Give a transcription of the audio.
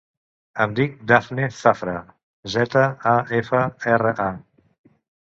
Em dic Dafne Zafra: zeta, a, efa, erra, a.